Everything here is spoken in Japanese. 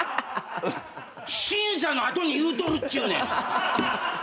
審査の後に言うとるっちゅうねん！